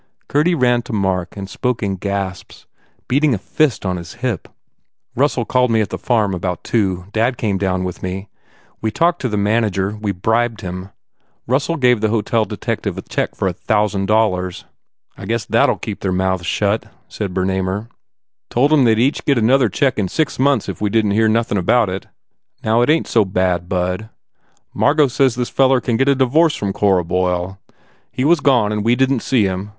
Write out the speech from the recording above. Gurdy ran to Mark and spoke in gasps, beating a fist on his hip. "Russell called me at the farm about two Dad went down with me. We talked to the man ager We bribed him. Russell gave the hotel detective a check for a thousand dollars " "I guess they ll keep their mouths shut," said Bernamer, "Told em they d each get another check in six months if we didn t hear nothin . THE IDOLATER Now it ain t so bad, bud. Margot says this feller can get a divorce from Cora Boyle He was gone and we didn t see him.